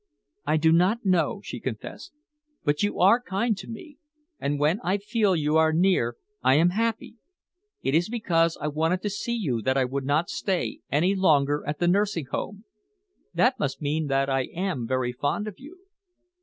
"I do not know," she confessed, "but you are kind to me, and when I feel you are near I am happy. It is because I wanted to see you that I would not stay any longer at the nursing home. That must mean that I am very fond of you."